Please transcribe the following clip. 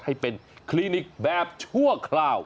ให้เป็นคลินิกแบบชั่วคราว